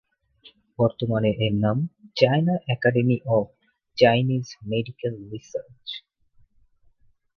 বর্তমানে এর নাম China academy of Chinese medical research.